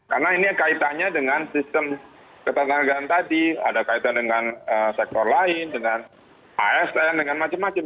karena ini yang kaitannya dengan sistem ketatanegaraan tadi ada kaitan dengan sektor lain dengan as dengan macam macam